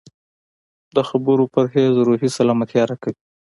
د خبرو پرهېز روحي سلامتیا راکوي.